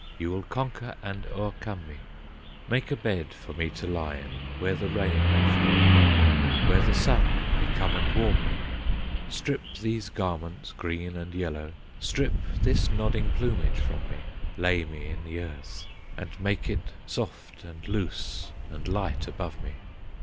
You will conquer and o'ercome me; Make a bed for me to lie in, Where the rain may fall upon me, Where the sun may come and warm me; Strip these garments, green and yellow, Strip this nodding plumage from me, Lay me in the earth, and make it Soft and loose and light above me.